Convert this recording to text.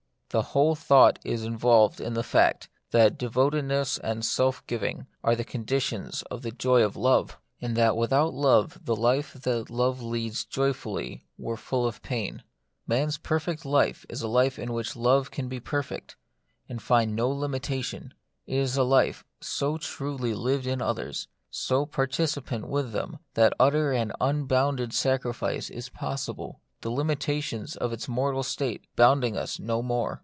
The whole thought is involved in the fact, that devotedness and self giving are the con ditions of the joy of love ; and that without love the life that love leads joyfully were full of pain. Man's perfect life is a life in which love can be perfect, and find no limitation ; it is a life so truly lived in others, so partici pant with them, that utter and unbounded sacrifice is possible ; the limitations of this mortal state bounding us no more.